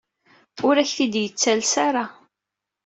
Ur ak-t-id-yettales ara.